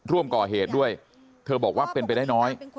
ร่วมก่อเหตุด้วยเธอบอกว่าเป็นไปได้น้อย